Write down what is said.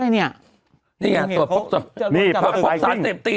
อะไรเนี่ยนี่ไงสวบพล็อคศาสตร์เศรษฐี